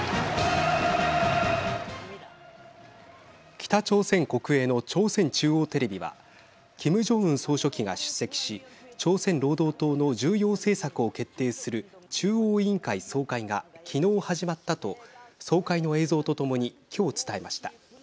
北朝鮮国営の朝鮮中央テレビはキム・ジョンウン総書記が出席し朝鮮労働党の重要政策を決定する中央委員会総会が昨日始まったと総会の映像とともに今日、伝えました。